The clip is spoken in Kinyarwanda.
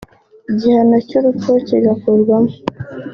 igihano cy’urupfu kigakurwamo